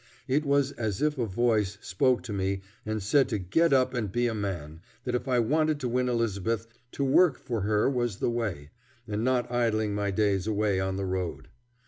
It was as if a voice spoke to me and said to get up and be a man; that if I wanted to win Elizabeth, to work for her was the way, and not idling my days away on the road.